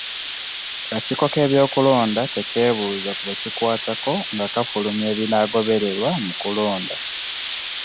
Akakiiko k'ebyokulonda tekeebuuza ku be kikwatako nga kafulumya ebinaagobereerwa mu kulonda.